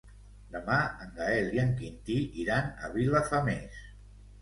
Demà en Gaël i en Quintí iran a Vilafamés.